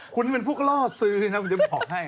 คุณเป็นพวกล่อซื้อนะคุณจะบอกให้